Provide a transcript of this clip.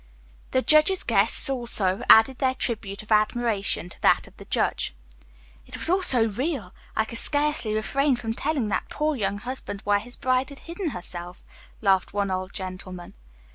The judge's guests, also, added their tribute of admiration to that of the judge. "It was all so real. I could scarcely refrain from telling that poor young husband where his bride had hidden herself," laughed one old gentleman.